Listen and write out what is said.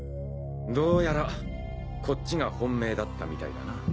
どうやらこっちが本命だったみたいだな。